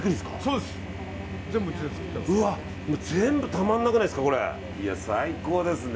うわ全部たまらなくないですか。